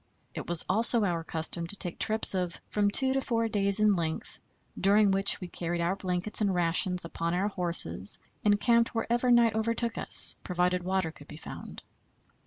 It was also our custom to take trips of from two to four days in length, during which we carried our blankets and rations upon our horses and camped wherever night overtook us, provided water could be found.